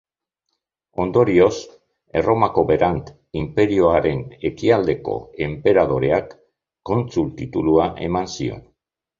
Ondorioz, Erromako berant inperioaren Ekialdeko enperadoreak kontsul titulua eman zion.